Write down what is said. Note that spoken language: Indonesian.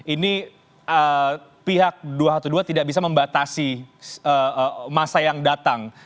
ini pihak dua ratus dua belas tidak bisa membatasi masa yang datang